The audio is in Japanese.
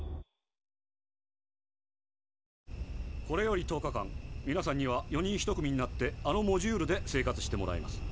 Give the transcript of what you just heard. これより１０日間みなさんには４人一組になってあのモジュールで生活してもらいます。